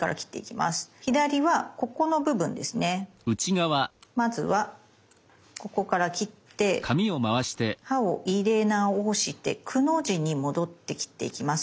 まずはここから切って刃を入れ直して「く」の字に戻って切っていきます。